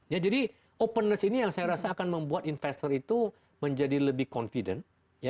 ya jadi openness ini yang saya rasa akan membuat investor itu menjadi lebih confident